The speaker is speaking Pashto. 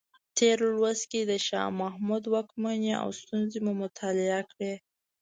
تېر لوست کې د شاه محمود واکمنۍ او ستونزې مو مطالعه کړې.